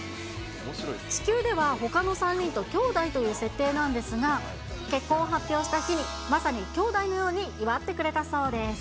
地球ではほかの３人ときょうだいという設定なんですが、結婚を発表した日に、まさにきょうだいのように祝ってくれたそうです。